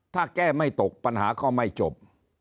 ถ้าแก้ไม่ตกปัญหาก็ไม่จบ